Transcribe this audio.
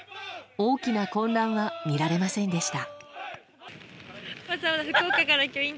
大きな混乱は見られませんでした。